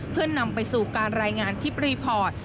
เพื่อนำไปสู่การรายงานคลิปรีพอร์ต